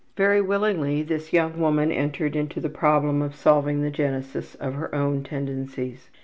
Very willingly this young woman entered into the problem of solving the genesis of her own tendencies.